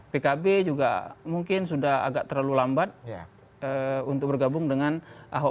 pkb juga mungkin sudah agak terlalu lambat untuk bergabung dengan ahok